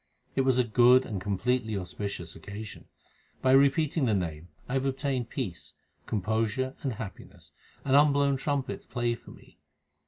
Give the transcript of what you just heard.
It was a good and completely auspicious occasion. By repeating the Name I have obtained peace, composure, and happiness ; and unblown trumpets play for me.